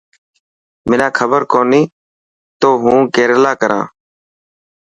منا کبر ڪوني تو هون ڪيريلا ڪران.